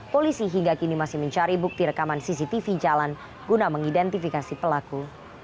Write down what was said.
polisi hingga kini masih mencari bukti rekaman cctv jalan guna mengidentifikasi pelaku